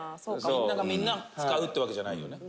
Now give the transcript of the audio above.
「みんながみんな使うっていうわけじゃないよね」